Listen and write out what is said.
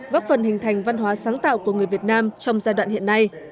góp phần hình thành văn hóa sáng tạo của người việt nam trong giai đoạn hiện nay